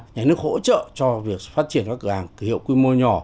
nhà nước hỗ trợ cho việc phát triển các cửa hàng thương hiệu quy mô nhỏ